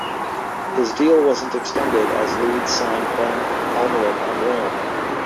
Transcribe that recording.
His deal wasn't extended as Leeds signed Ben Alnwick on loan.